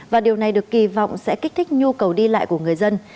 và điều này được kỳ vọng sẽ kích thích nhu cầu đi lại của người dân